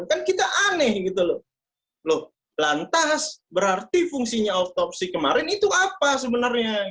kan kita aneh gitu loh lantas berarti fungsinya otopsi kemarin itu apa sebenarnya